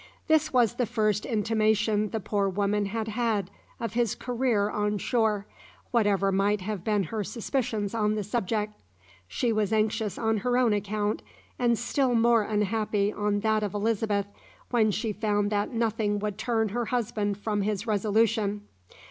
This was the first intimation the poor woman had had of his career on shore, whatever might have been her suspicions on the subject. She was anxious on her own account, and still more unhappy on that of Elizabeth, when she found that nothing would turn her husband from his resolution.